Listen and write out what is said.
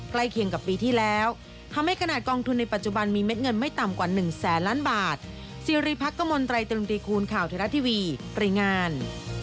ใกล้เคียงกับปีที่แล้วทำให้ขนาดกองทุนในปัจจุบันมีเม็ดเงินไม่ต่ำกว่า๑แสนล้านบาท